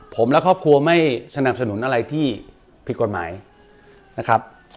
ผมและครอบครัวไม่สนับสนุนอะไรที่ผิดกฎหมายนะครับ